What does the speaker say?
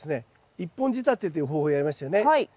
１本仕立てという方法をやりましたよね。